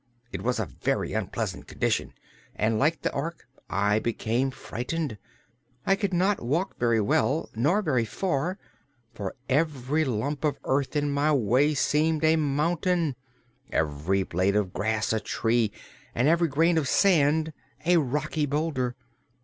It was a very unpleasant condition and like the Ork I became frightened. I could not walk very well nor very far, for every lump of earth in my way seemed a mountain, every blade of grass a tree and every grain of sand a rocky boulder.